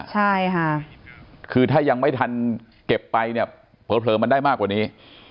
ใช่ค่ะคือถ้ายังไม่ทันเก็บไปเนี่ยเผลอมันได้มากกว่านี้